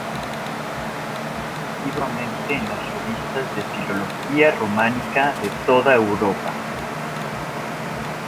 Colaboró asiduamente en las revistas de filología románica de toda Europa.